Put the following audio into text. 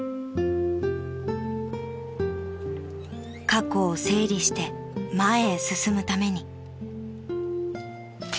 ［過去を整理して前へ進むために］